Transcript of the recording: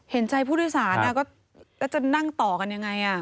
เห็นใจผู้โดยสารแล้วจะนั่งต่อกันยังไง